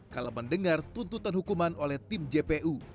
kalau mendengar tuntutan hukuman oleh tim jpu